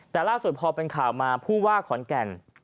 แต่ล่าสุดพอเป็นข่าวมาผู้ว่าขอนแก่น